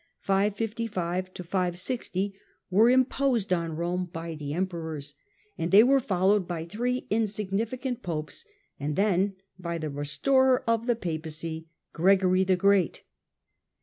(555 560) were imposed on Rome by the emperors, and they were followed by three insignificant Popes, and then by the restorer of the Papacy, Gregory the Great.